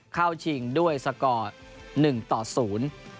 เข้าชิงด้วยสกอร์๑๐